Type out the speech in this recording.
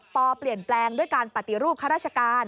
เปลี่ยนแปลงด้วยการปฏิรูปข้าราชการ